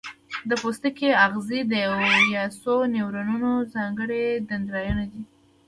د پوستکي آخذې د یو یا څو نیورونونو ځانګړي دندرایدونه دي.